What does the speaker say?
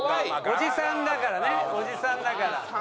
おじさんだからねおじさんだから。